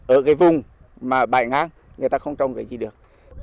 ở cái vùng mà bại ngang người ta không trông cái gì được